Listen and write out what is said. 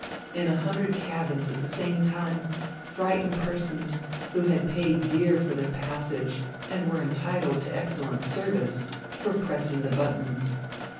In a hundred cabins at the same time, frightened persons, who had paid dear for their passage and were entitled to excellent service, were pressing the buttons.